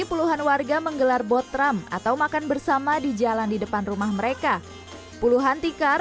puluhan warga menggelar botram atau makan bersama di jalan di depan rumah mereka puluhan tikar